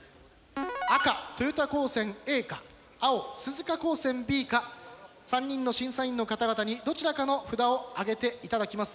赤豊田高専Ａか青鈴鹿高専Ｂか３人の審査員の方々にどちらかの札をあげて頂きます。